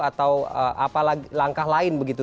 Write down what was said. atau apa langkah lain begitu